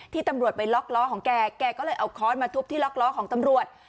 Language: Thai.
ตำรวจไปล็อกล้อของแกแกก็เลยเอาค้อนมาทุบที่ล็อกล้อของตำรวจ